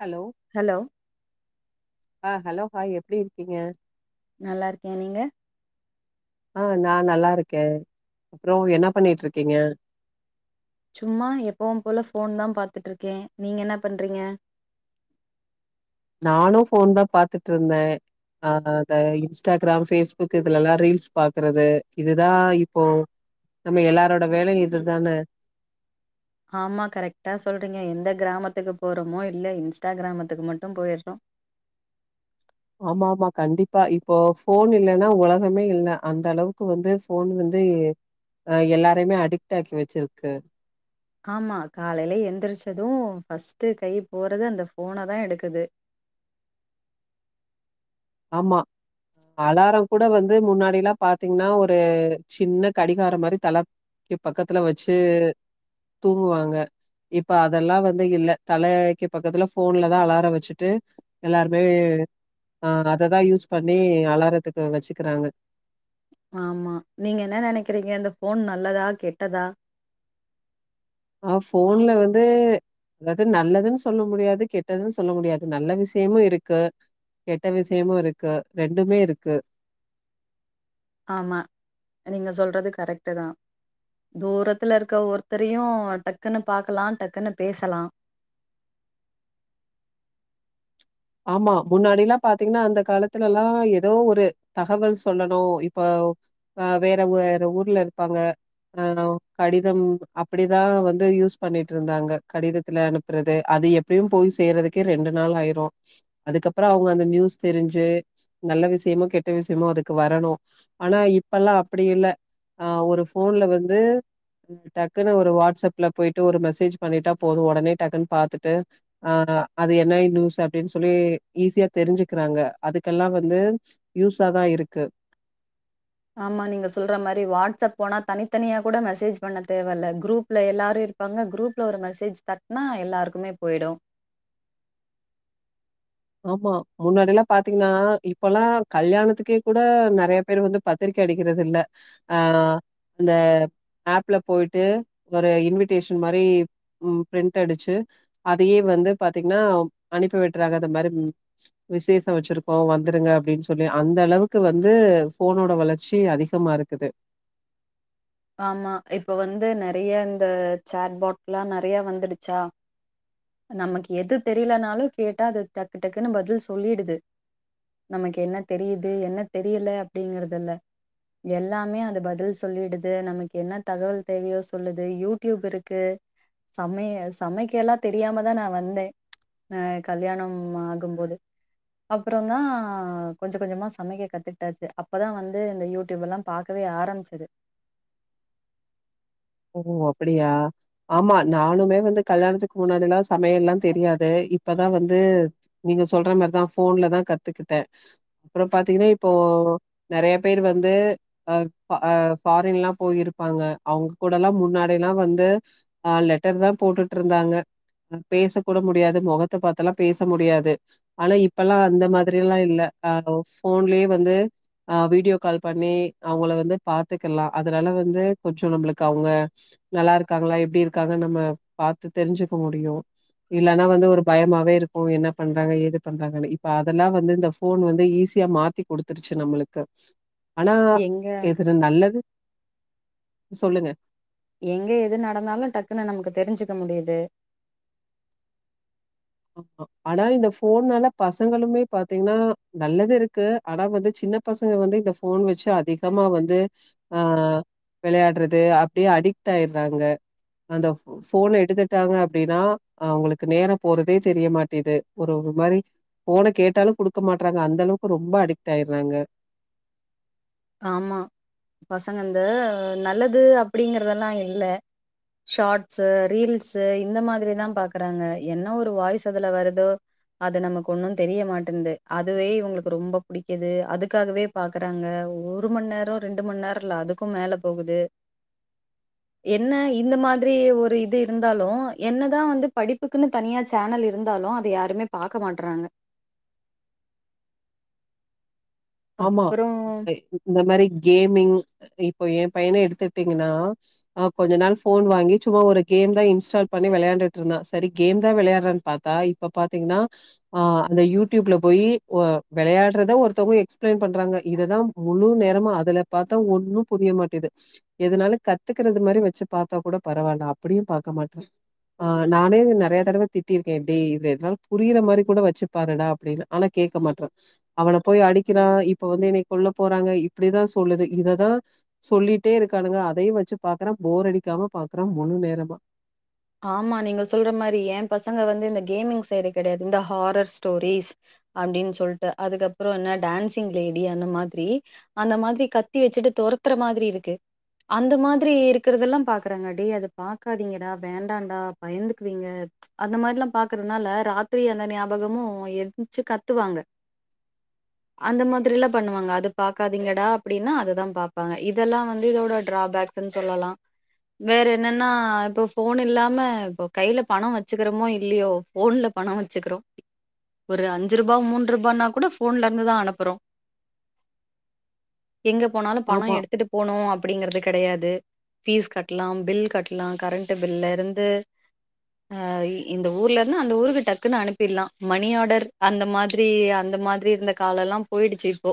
Hello hello ஆ hello hi எப்டி இருக்கீங்க நல்லா இருக்கேன் நீங்க ஆ நா நல்லா இருக்கேன் அப்புறம் என்ன பண்ணிட்டு இருக்கீங்க சும்மா எப்பவும் போல ஃபோன் தான் பாத்துட்டு இருக்கேன் நீங்க என்ன பண்றீங்க நானும் ஃபோன்தா பாத்துட்டு இருந்தே அ அத இன்ஸ்டாகிராம் ஃபேஸ்புக்கு இதுலல்லா ரீல்ஸ் பாக்குறது இதுதா இப்போ நம்ம எல்லாரோட வேலையு இதுதன்ன ஆம்மா கரெக்டா சொல்றீங்க எந்த கிராமத்துக்கு போறோமோ இல்ல இன்ஸ்டா கிராமத்துக்கு மட்டும் போயிட்றோ ஆம்மா ஆம்மா கண்டிப்பா இப்போ ஃபோன் இல்லன்னா ஒலகமே இல்ல அந்த அளவுக் வந்து ஃபோன் வந்து எல்லாருயுமே அடிக்ட் ஆக்கி வச்சிருக்கு ஆம்மா காலைலே எந்திரிச்சதூ ஃர்ஸ்ட்டு கைப்போறது அந்த ஃபோனதா எடுக்குது ஆம்மா அலாரங்கூட வந்து முன்னாடில்லா பாத்தீங்ன்னா ஒரு சின்ன கடிகாரொ மாரி தல க்கிபக்கத்துல வெச்சு தூங்குவாங்க இப்ப அதெல்லா வந்து இல்ல தலக்கி பக்கத்துல ஃபோன்லதா அலார வச்சுட்டு எல்லார்மே ஆ அததா யூஸ் பண்ணி அலாரத்துக்கு வச்சுகிறாங்க ஆம்மா நீங்க என்ன நெனைக்கிறீங்க இந்த ஃபோன் நல்லதா கெட்டதா அ ஃபோன்ல வந்து அதாது நல்லதுன் சொல்ல முடியாது கெட்டதுன் சொல்ல முடியாது நல்ல விஷயமு இருக்கு கெட்ட விஷயமு இருக்கு ரெண்டுமே இருக்கு ஆம்மா நீங்க சொல்றது கரெக்ட்டு தா தூரத்துல இருக்க ஒருத்தரையு டக்குன்னு பாக்கலா டக்குன்னு பேசலா ஆம்மா முன்னாடில்லா பாத்தீங்ன்னா அந்த காலத்துலல்லா எதோஒரு தகவல் சொல்லணு இப்ப அ வேற வேற ஊர்ல இர்ப்பாங்க அனௌ கடிதம் அப்புடிதா வந்து யூஸ் பண்ணிட்ருந்தாங்க கடிதத்துலன்னு றது அது எப்டியு போய் சேர்ரதுக்கே ரெண்டு நாள் ஆயிரு அதுக்கப்பறோ அவங்க அந்த நியூஸ் தெரிஞ்சு நல்ல விஷ்யமோ கெட்ட விஷ்யமோ அதுக்கு வரணு அனா இப்பல்லா அப்புடி இல்ல அ ஒரு ஃபோன்ல வந்து டக்குனு ஒரு வாட்ஸ்அப்ல பொய்ட்டு ஒரு மெசேஜ் பண்ணிட்டா போது ஒடனே டக்குன் பாத்துட்டு அ அது என்ன நியூஸ் அப் டின் சொல்லி ஈஸிய தெரிஞ்சுக்றாங்க அதுக்கெல்லா வந்து யூஸாதா இருக்கு ஆம்மா நீங்க சொல்ற மாரி வாட்ஸ்அப் போனா தனித்தனியா கூட மெசேஜ் பண்ண தேவல்ல குரூப்ல எல்லாரு இருப் இப்பங்க குரூப்ல்ல ஒரு மெசேஜ் தட்னா எல்லாருக்குமே பொயிடு ஆம்மா முன்னாடில்லா பாத்தீங்ன்னா இப்பல்லா கல்யாணத்துக்கே கூட நெறய பேரு வந்து பத்திரிக்க அடிக்கிறது இல்ல அ அந்த ஆப்ல போய்ட்டு ஒரு இன்விடேஷன் மாரி ம் பிரிண்ட் அடிச்சு அதயே வந்து பாத்தீங்ன்னா அனுப்பி விட்டுற்றாங்க அத மாரிம் விசேஷ வச்சுருக்கோ வந்துருங்க அப்டின் சொல்லி அந்த அளவுக்கு வந்து ஃபோனோட வளர்ச்சி அதிகமா இருக்குது ஆம்மா இப்ப வந்து நெறய இந்த சேட் பாட்லா நெறைய வந்துடுச்சா நமக் எது தெரியிலனாலு கேட்டா அது டக்கு டக்குன்னு பதில் சொல்லிடுது நமக் என்ன தெரியுது என்ன தெரியில அப்டிங்கறதில்ல எல்லாமே அது பதில் சொல்லிடுது நமக்கு என்ன தகவல் தேவயோ சொல்லுது யூடியூப் இருக்கு சமய சமைக்கெல்ல தெரியாம தா நா வந்தே அ கல்யாணம் ஆகும்போது அப்பறோந்தா கொஞ்சொ கொஞ்சொமா சமைக்க கத்துக்ட்டாச்சு அப்பதா வந்து இந்த யூடியூப் எல்லாம் பாக்கவே ஆரமிச்சது ஓ அப்படியா ஆம்மா நானுமே வந்து கல்யாணத்துக் முன்னாடில்லா சமையல்லா தெரியாது இப்பதா வந்து நீங்க சொல்ற மார்தா ஃபோன்லதா கத்துக்கிட்ட அப்புறோ பாத்தீங்கன்னா இப்போ நெறைய பேர் வந்து ஆ ஆ ஃபாரின்ல்லா போயிருப்பாங்க அவுங்க கூடல்லா முன்னாடி எல்லா வந்து ஆ லெட்டர் தா போட்டுட்டு இருந்தாங்க ஆ பேச கூட முடியாது மொகத்த பாத்துல்லா பேச முடியாது ஆனா இப்பல்லா அந்த மாதிரில்லா இல்ல ஆ ஃபோன்லயே வந்து ஆ வீடியோ கால் பண்ணி அவுங்கள வந்து பாத்துக்கலா அதனால வந்து கொஞ்சோ நம்மளுக் கு அவுங்க நல்லா இருக்காங்களா எப்டி இருக்காங்கன்னு நம்ம பாத்து தெரிஞ்சுக்க முடியு இல்லன்னா வந்து ஒரு பயமாவே இருக்கு என்ன பண்றாங்க ஏது பண்றாங்கன்னு இப்ப அதெல்லா வந்து இந்த ஃபோன் வந்து ஈஸியா மாத் த்தி குடுத்துருச்சு நம்மளுக்கு ஆனா எங்க இதுல நல்லது சொல்லுங்க எங்க எது நடந்தாலு டக்குனு நமக்கு தெரிஞ்சுக்க முடியுது ஆனா இந்த ஃபோன்னால பசங்களுமே பாத்தீங்கன்னா நல்லது இருக்கு ஆனா வந்து சின்ன பசங்க வந்து இந்த ஃபோன் வச்சு அதிகமா வந்து ஆ வெளையாட்றது அப்டியே அடிக்ட் ஆயிறாங்க அந்த ஃபோன எடுத்துட்டாங்க அப்டின்னா அவங்களுக்கு நேரோ போறதே தெரிய மாட்டேது ஒரு ஒரு மாரி போன கேட்டாலு கொடுக்க மாட்டறாங்க அந்தளவுக்கு ரொம்ப அடிக்ட் ஆயிட்றாங்க ஆமா பசங்க இந்த நல்லது அப்டிங்கறதெல்லா இல்ல ஷார்ட்ஸ்ஸு ரீல்ஸ்ஸு இந்த மாதிரிதா பாக்குறாங்க என்ன ஒரு வாய்ஸ் அதுல வருதோ அது நமக்கு ஒன்னு தெரியமாட்டேன்து அதுவே இவுங்களுக்கு ரொம்ப புடிக்குது அதுக்காகவே பாக்குறாங்க ஒரு மண் நேரோ ரெண்டு மண் நேரோ இல்ல அதுக்கும் மேல போகுது என்ன இந்த மாதிரி ஒரு இது இருந்தாலு என்னதா வந்து படிப்புக்குன்னு தனியாச்சு சேனல் இருந்தாலு அத யாருமே பாக்க மாட்றாங்க ஆமா அப்புறம் இந்த மாரி கேமிங் இப்போ ஏ பையன எடுத்துட்டீங்கன்னா ஆ கொஞ்சோ நாள் ஃபோன் வாங்கி சும்மா ஒரு கேம் தா இன்ஸ்டால் பண்ணி வெளையாண்டுட்டு இருந்தா செரி கேம் தா வெளையாட்றான்னு பாத்தா இப்ப பாத்தீங்கன்னா ஆ அந்த யூடியூப்ல போய் ஆ வெளையாடுறத ஒருத்தங்க எக்ஸ் பிளைன் பண்றாங்க இததா முழு நேரமா அதுல பாத்தா ஒண்ணு புரிய மாட்டேது எதுனாலு கத்துக்கறது மாதிரி வச்சு பாத்தா கூட பரவாயில்ல அப்டியு பாக்க மாட்றா ஆ நானே நெறைய தடவ திட்டிருக்கே டேய் இத எதனா புரியிற மாதிரி கூட வச்சு பாருடா அப்டின்னு ஆனா கேக்க மாட்றா அவன போய் அடி க்கிறா இப்ப வந்து என்னைய கொல்ல போறாங்க இப்டிதா சொல்லுது இததா சொல்லிட்டே இருக்கானுங்க அதையு வச்சு பாக்குறா போர் அடிக்காம பாக்குறா முழு நேரமா ஆமா நீங்கள் சொல்ற மாரி ஏ பசங்க வந்து இந்த கேமிங் சைடு கெடையாது இந்த ஹாரர் ஸ்டோரிஸ் அப்டின்னு சொல்ட்டு அதுக்கப்புற என்ன டான்சிங் லேடி அந்த மாதிரி அந்த மாதிரி கத்தி வச்சுட்டு தொரத்துற மாதிரி இருக்கு அந்த மாதிரி இருக்கிறதெல்லா பாக்குறாங்க டேய் அது பாக்காதீங்கடா வேண்டாண்டா பயந்துக்குவீங்க அந்த மாரில்லா பாக்குறதுனால ராத்திரி அந்த ஞாபகமும் எந்திச்சு கத்துவாங்க அந்த மாதிரில்லா பண்ணுவாங்க அது பாக்காதீங்கடா அப்டின்னா அததா பாப்பாங்க இதெல்லா வந்து இதோட டிராபேக் குன் சொல்லலா வேற என்னன்னா இப்ப ஃபோன் இல்லாம இப்போ கையில பண வச்சுக்கிறோமோ இல்லையோ ஃபோன்ல பண வச்சுக்கிறோ ஒரு அஞ்சு ரூபா மூன்ருபானா கூட ஃபோன்ல இருந்துதா அனுப்புறோ எங்க போனாலு பண ஆமா எடுத்துட்டு போணு அப்டிங்கறது கெடையாது ஃபீஸ் கட்லா பில் கட்லா கரண்ட் ட்டு பில்ல இருந்து அ இந்த ஊர்லன்னா அந்த ஊருக்கு டக்குன்னு அனுப்பிட்லா மணி ஆர்டர் அந்த மாதிரி அந்த மா திரி இருந்த கால எல்லா போயிடுச்சு இப்போ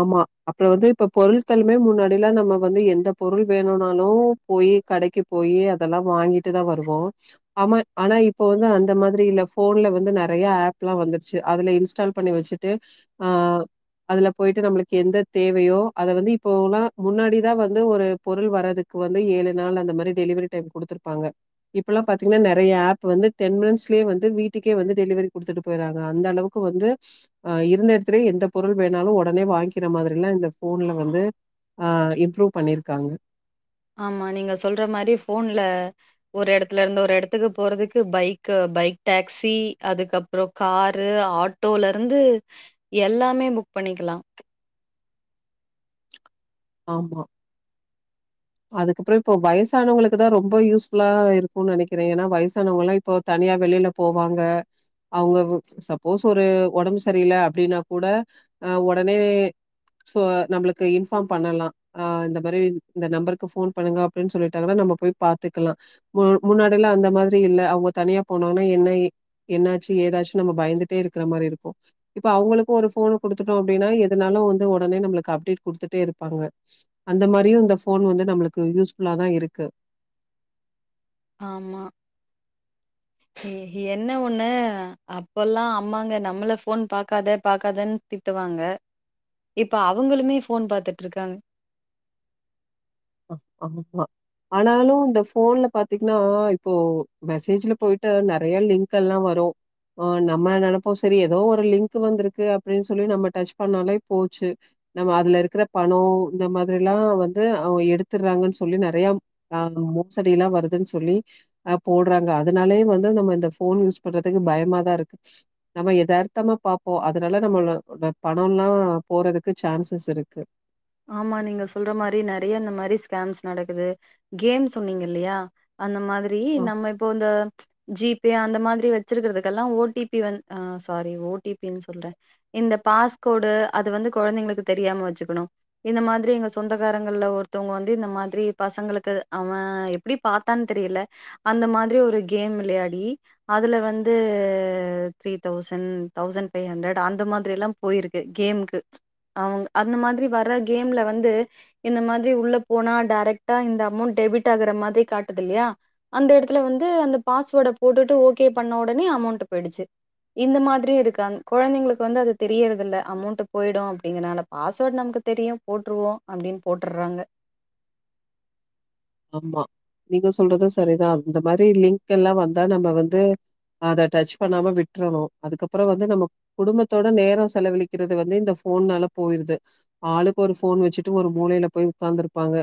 ஆமா அப்போற வந்து இப்ப பொருட்களுமே முன்னாடி எல்லா நம்ம வந்து எந்த பொருள் வேணுனாலு போயி கடைக்கி போயி அதெல்லா வாங்கிட்டுதா வருவோ ஆமா ஆனா இப்ப வந்து அந்த மாதிரி இல்ல ஃபோன்ல வந்து நெறைய ஆப்லா வந்துருச்சு அதுல இன்ஸ்டால் புக் பண்ணி வச்சுட்டு அ அதுல ப் போயிட்டு நம்ளுக்கு எந்த தேவையோ அத வந்து இப்போல்லா முன்னாடிதா வந்து ஒரு பொருள் வரதுக் கு வந்து ஏழு நாள் அந்த மாதிரி டெலிவரி டைம் குடுத்துருப்பாங்க இப்பெல்லா பாத்தீங்னா நெறைய ஆப் வந்து டென் மினிட்ஸ்லே வந்து வீட்டுக்கே வந்து டெலிவரி குடுத்துட்டு போய்றாங்க அந்த அளவு க்கு வந்து இருந்த எடத்திலயே எந்த பொருள் வேணாலு ஒ டனே வாங்க்கிற மாதிரில்லா இந்த ஃபோன்ல வந்து அ இம்ப்ரூவ் பண்ணியிருக்காங்க ஆமா நீங்க சொல்ற மாறி ஃபோன்ல ஒரு எடத்துலருந்து ஒரு எடத்துக்கு போறதுக்கு பைக்கு பைக் டாக்ஸி அதுக்கப்றோ காரு ஆட் டோலருந்து எல்லாமே புக் பண்ணிக்கலா ஆமா அதுக்கப்றோ இப்போ வயசானவங்களுக்குதா ரொம்ப யூஸ்ஃபுல்லா இருக்குன்னு நெனைக்கிறே ஏன்னா வயசானவங்கல்லா இப் போ தனியா வெளில போவாங்க அவுங்கவ் சப்போஸ் ஒரு ஒடம்பு சரியில்ல அப்டின்னா கூட அ ஒடனே சோ நம்ளுக்கு இன்ஃபார்ம் பண்ணலா ஆ இந்த மாறி இந்த நம்பருக்கு ஃபோன் பண்ணுங்க அப்டின்னு சொல்ட்டாங்கன்னா நம்ம போயி பாத்துக்கலா மு முன்னாடி எல்லா அந்த மாதிரி இல்ல அவுங்க தனியா போனாங்கன்னா என்ன எ என்னாச்சு ஏதாச்சு நம்ம பயந்துட்டே இருக்கற மாறியிருக்கும் இப்ப அவுங்களுக்கும் ஒரு ஃபோன் குடுத்துட்டோ அப்டின்னா எதுனாலு வந்து ஒடனே நம்ளுக்கு அப்டேட் குடுத்துட்டே இருப் பாங்க அந்த மாறியு இந்த ஃபோன் வந்து நம்ளுக்கு யூஸ் ஃபுல்லாதா இருக்கு ஆமா என்ன ஒண்ணு அப்பல்லா அம்மாங்க நம்மள ஃபோன் பாக்காத பாக்காதன்னு திட்டுவாங்க இப்ப அவுங்ளுமே ஃபோன் பாத்துட்டு இருக்காங்க அ ஆமா ஆனாலு இந்த ஃபோன்ல பாத்தீங்ன்னா இப்போ மெசேஜ்ல போயிட்டு நெறைய லிங்க்ல்லா வரும் அ நம்மள நெனப்போ சரி ஏதோ ஒரு லிங்கு வந்திருக்கு அப்டின்னு சொல்லி நம்ம டச் பண்ணாலே போச்சு நம்ம அதுல இருக்கற பணோ இந்த மாதிரில்லா வந்து அவங்க எடுத் தற்றாங்கன்னு சொல்லி நெறைய ஆ மோசடி எல்லா வருதுன்னு சொல்லி அ போட்றாங்க அதனாலே வந்து நம்ம இந்த ஃபோன் யூஸ் பண்றதுக்கு பயமாதா இருக்கு நம்ம எதார்த்தமா பாப்போ அதனால நம்மள ளோட பணோல்லா போறதுக்கு சான்சஸ் இருக்கு ஆமா நீங்க சொல்ற மாறி நெறைய இந்த மாறி ஸ்கேம்ஸ் நடக்குது கேம் சொன்னீங்க இல்லயா அந்த மாதிரி அ. நம்ம இப்போ இந்த ஜீப் பே அந்த மாதிரி வச்சிருக்கறதுக்கெல்லா ஓ டி பி வந்த் அ சாரி ஓ டி பி னு சொல்றே இந்த பாஸ்கோடு அது வந்து கொழந்தைங்களுக்கு தெரியாம வச்சுக்கணு இந்த மாதிரி எங்க சொந்தக்காரங்கள்ல ஒருத்தவங்க வந்து இந்த மாதிரி பசங்களுக்கு அவன் எப் பிடி பாத்தான் தெரியல அந்த மாதிரி ஒரு கேம் விளயாடி அதுல வந்தூ three thousand thousand five hundred அந்த மாதிரில்லா போயிருக்கு கேம்க்கு அவுங் அந்த மாதிரி வர கேம்ல வந்து இந்த மாதிரி உள்ள போனா டேரெக்ட்டா இந்த அமௌண்ட் டெபிட்டாகுற மாதிரி காட்டுதுல்லையா அந்த எடத்துல வந்து அந்த பாஸ்வேட போட்டுட்டு ஓகே பண்ண ஒடனே அமௌண்டு போயிடுச்சி இந்த மாதிரியு இருக்காங் குழந்தைங்களுக்கு வந்து அது தெரியறதில்ல அமௌண்ட் போயிடு அப்டிங்கனாலப் பாஸ்வேர்ட் நமக்கு தெரியு போட்டுருவோ அப்டின் போட்றாங்க ஆமா நீங்க சொல்றது சரிதா இந்த மாரி லிங்க் எல்லா வந்தா நம் வந்து அத டச் பண்ணாம விட்றணு அதுக்கப்ரோ வந்து நம்மோ குடும்பத்தோட நேரோ செலவழிக்கிறது வந்து இந்த போன்னால போயிறுது ஆளுக்கு ஒரு போன் வச்சிட்டு ஒரு மூளைல போய் உக்காந்துருப்பாங்க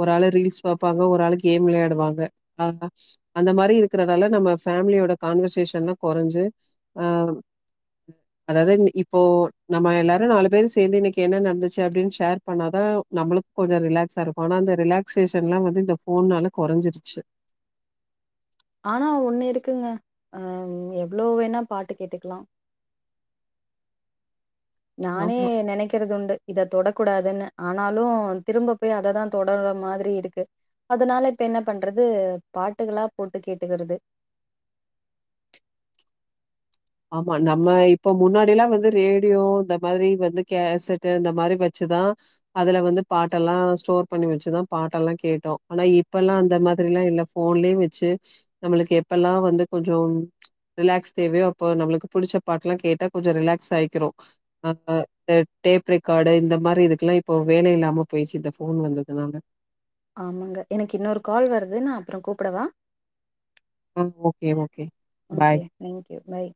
ஒரு ஆளை ரீல்ஸ் பாப்பாங்க ஒரு ஆளு கேம் விளையாடுவாங்க ஆஆ அந்த மாரி இருக்கறதால நம்ம ஃபேமிலியோட கான்வர்சேஷன்ல்லா குறைஞ்சி அம் அதாவது இன் இப்போ நம்ம எல்லாரு நாலு பேரு சேந்து இன்னைக்கு என்ன நடந்துச்சக அப்டின் ஷேர் பண்ணாதா நம்மளுக் கு கொஞ்சோ ரிலாக்ஸா இருக்கு ஆனா அந்த ரிலாக்சேஷன் எல்லா வந்து இந்த போன்னால குறைஞ்சிருச்சி ஆனா ஒன்னு இருக்குங்க அம் எவ்ளோ வேணா பாட்டு கேட்டுக்கிலா நானே ஆமா, நினைக்கறதுண்டு இத தொடக்கூடாதுன்னு ஆனாலு திரும்ப பேய் அததா தொடர்ற மாதிரி இருக்கு அதனால இப்ப என்ன பண்றது பாட்டுகளா போட்டு கேட்டுக்கிறது ஆமா நம்ம இப்ப முன்னாடி எல்லா வந்து ரேடியோ இந்த மாதிரி வந்து கேசட் இந்த மாதிரி வச்சிதா அதுல வந்து பாட்டெல்லா ஸ்டோர் பண்ணி வச்சிதா பாட்டெல்லா கேட்டோ ஆனா இப்பெல்லா அந்த மாதிரி லா இல்லஃப் போன்லே வச்சி நம்மளுக்கு எப்பெல்லா வந்து கொஞ்சோ ரிலாக்ஸ் தேவையோப் இப்போ நம்ளுக்கு புடிச்ச பாட்டு எல்லா கேட்டா கொஞ்சோ ரிலாக்ஸ் ஆயிக்கிறோ [unintelligible] அ டேப் ரக்கார்டு இந்த மாரி இதுக்கெல்லா இப்போ வேல இல்லாம போயிச்சி இந்த போன் வந்ததுனால ஆமாங்க எனக்கு இன்னொரு கால் வருது நா அப்ரோ கூப்புடவா ஆ ஓகே ஓகே பாய் தேங்க்யூ பாய்